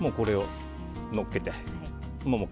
これをのっけて。